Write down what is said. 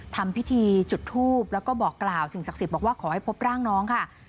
ทำพิธีจุดทูบแล้วก็บอกกล่าวสิ่งศักดิ์สิทธิ์บอกว่าขอให้พบร่างน้องค่ะ